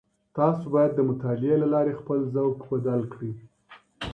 تاسو بايد د مطالعې له لاري خپل ذوق بدل کړئ.